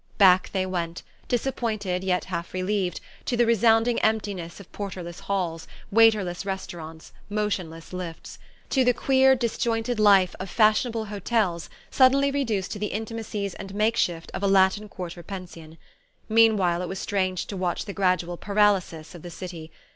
Back they went, disappointed yet half relieved, to the resounding emptiness of porterless halls, waiterless restaurants, motionless lifts: to the queer disjointed life of fashionable hotels suddenly reduced to the intimacies and make shift of a Latin Quarter pension. Meanwhile it was strange to watch the gradual paralysis of the city.